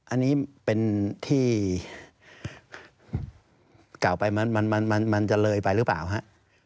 อันนี้เป็นที่กล่าวไปมันจะเลยไปหรือเปล่าครับ